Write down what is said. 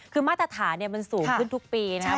คือมาตรฐานมันสูงขึ้นทุกปีนะครับ